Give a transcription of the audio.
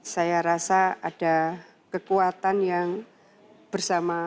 saya rasa ada kekuatan yang bersama